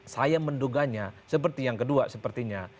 saya menduganya seperti yang kedua sepertinya